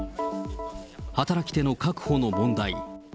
働き手の確保の問題。